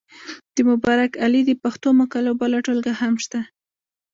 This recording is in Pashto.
د مبارک علي د پښتو مقالو بله ټولګه هم شته.